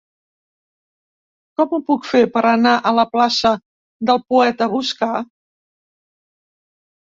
Com ho puc fer per anar a la plaça del Poeta Boscà?